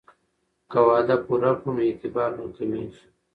که وعده پوره کړو نو اعتبار نه کمیږي.